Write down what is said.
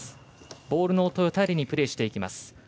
ボールの音を頼りにプレーしていきます。